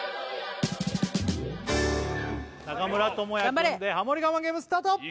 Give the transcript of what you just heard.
中村倫也君でハモリ我慢ゲームスタート！